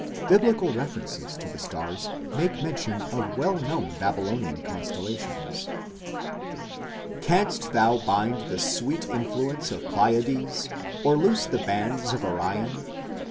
Biblical references to the stars make mention of well known Babylonian constellations: Canst thou bind the sweet influences of Pleiades, or loose the bands of Orion?